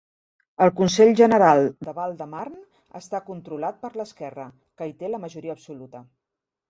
El Consell General de Val-de-Marne està controlat per l'esquerra, que hi té la majoria absoluta.